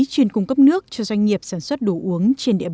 chuyên cung cấp nước cho doanh nghiệp sản xuất đồ uống